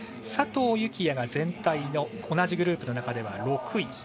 佐藤幸椰が全体の同じグループの中では６位。